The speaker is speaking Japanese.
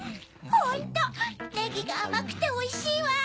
ホントネギがあまくておいしいわ！